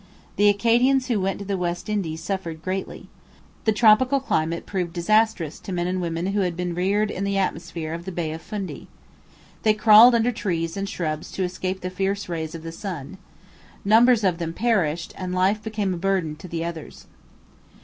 The Acadians who went to the West Indies suffered greatly. The tropical climate proved disastrous to men and women who had been reared in the atmosphere of the Bay of Fundy. They crawled under trees and shrubs to escape the fierce rays of the sun. Numbers of them perished and life became a burden to the others.